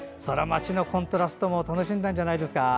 街のコントラストも楽しんだんじゃないですか。